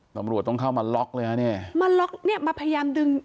ตำรวจต้องเข้ามาล็อกเลยฮะเนี่ยมาล็อกเนี่ยมาพยายามดึง